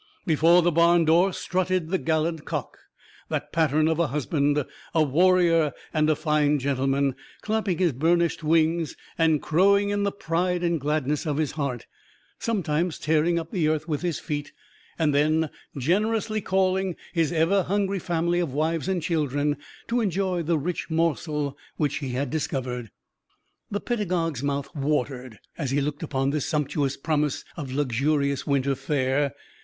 Before the barn door strutted the gallant cock, that pattern of a husband, a warrior and a fine gentleman, clapping his burnished wings and crowing in the pride and gladness of his heart sometimes tearing up the earth with his feet, and then generously calling his ever hungry family of wives and children to enjoy the rich morsel which he had discovered. The pedagogue's mouth watered as he looked upon this sumptuous promise of luxurious winter fare.